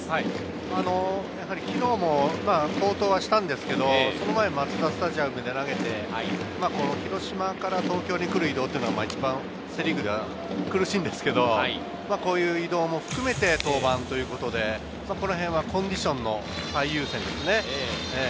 昨日も好投したんですけれど、その前、マツダスタジアムで投げて、広島から東京に来る移動は一番セ・リーグでは苦しんですけれど、こういう移動も含めて登板ということで、コンディションを最優先ですね。